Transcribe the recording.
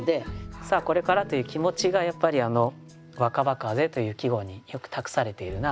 「さあこれから」という気持ちがやっぱり「若葉風」という季語によく託されているなと。